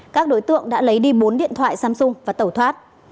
các đối tượng đã lấy đi bốn điện thoại samsung và tẩu thoát